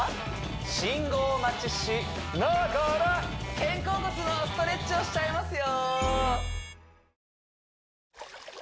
信号待ちしながら肩甲骨のストレッチをしちゃいますよ